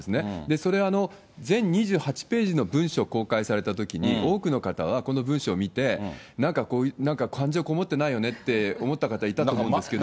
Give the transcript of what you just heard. それ、全２８ページの文書を公開されたときに、多くの方はこの文書を見て、なんか感情こもってないよねって思った方いたと思うんですけど。